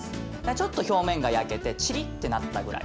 ちょっと表面が焼けてチリッてなったぐらい。